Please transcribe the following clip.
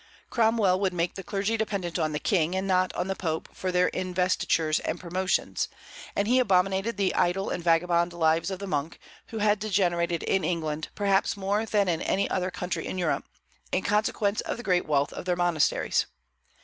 Cromwell would make the clergy dependent on the King and not on the Pope for their investitures and promotions; and he abominated the idle and vagabond lives of the monks, who had degenerated in England, perhaps more than in any other country in Europe, in consequence of the great wealth of their monasteries.